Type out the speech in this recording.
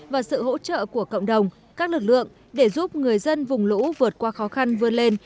và sự hỗ trợ của cộng đồng các lực lượng để giúp người dân vùng lũ vượt qua khó khăn vươn lên